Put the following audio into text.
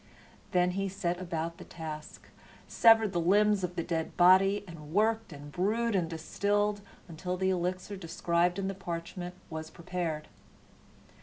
Then he set about the task, severed the limbs of the dead body, and worked and brewed and distilled until the elixir described in the parchment was prepared.